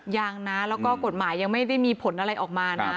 ยังนะแล้วก็กฎหมายยังไม่ได้มีผลอะไรออกมานะ